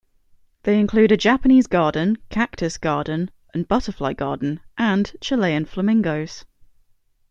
They include a Japanese garden, cactus garden, and butterfly garden, and Chilean flamingos.